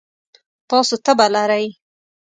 تاسو تبه لرئ؟